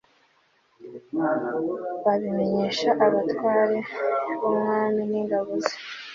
babimenyesha abatware b'umwami n'ingabo ze